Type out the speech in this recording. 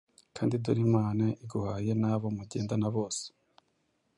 kandi dore Imana iguhaye n’abo mugendana bose.’